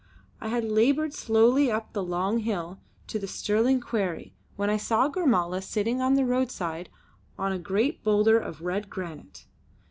I had laboured slowly up the long hill to the Stirling quarry when I saw Gormala sitting on the roadside on a great boulder of red granite.